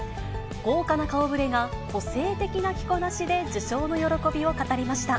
豪華な顔ぶれが、個性的な着こなしで、受賞の喜びを語りました。